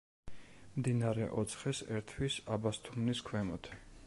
მდინარე ოცხეს ერთვის აბასთუმნის ქვემოთ.